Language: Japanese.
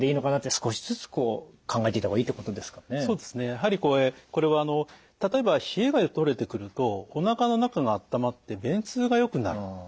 やはりこれはあの例えば冷えがとれてくるとおなかの中が温まって便通がよくなる。